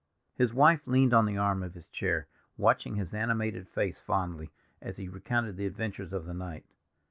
His wife leaned on the arm of his chair, watching his animated face fondly, as he recounted the adventures of the night.